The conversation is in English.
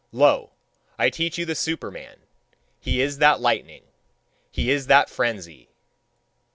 Lo, I teach you the Superman: he is that lightning, he is that frenzy!